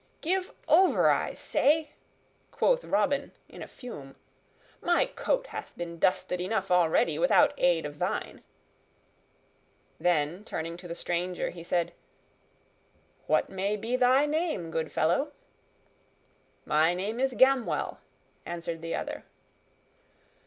"Give over, I say!" quoth Robin in a fume. "My coat hath been dusted enough already, without aid of thine." Then, turning to the stranger, he said, "What may be thy name, good fellow?" "My name is Gamwell," answered the other.